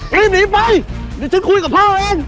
รีบหนีไปเดี๋ยวฉันคุยกับพ่อเอง